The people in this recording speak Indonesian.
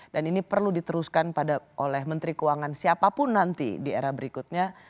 ini perlu diteruskan oleh menteri keuangan siapapun nanti di era berikutnya